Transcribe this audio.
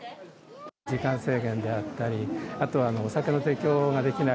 時間制限であったり、あとはお酒の提供ができない。